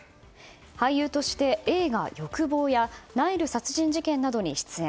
俳優として映画「欲望」や「ナイル殺人事件」などに出演。